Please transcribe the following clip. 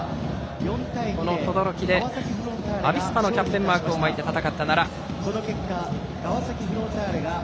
この等々力でアビスパのキャプテンマークを巻いて戦った奈良。